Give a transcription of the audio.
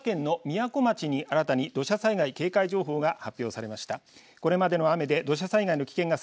福岡県のみやこ町に新たに土砂災害警戒情報が発表されました。